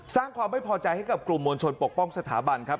สร้างความไม่พอใจให้กับกลุ่มมวลชนปกป้องสถาบันครับ